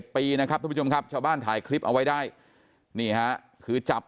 ปีนะครับทุกผู้ชมครับชาวบ้านถ่ายคลิปเอาไว้ได้นี่ฮะคือจับ